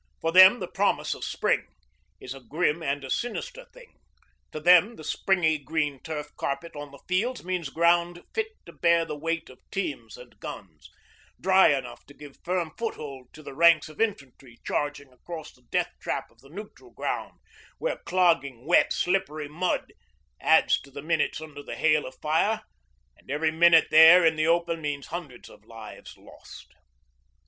For them the promise of spring is a grim and a sinister thing; to them the springy green turf carpet on the fields means ground fit to bear the weight of teams and guns, dry enough to give firm foothold to the ranks of infantry charging across the death trap of the neutral ground, where clogging, wet, slippery mud adds to the minutes under the hail of fire and every minute there in the open means hundreds of lives lost.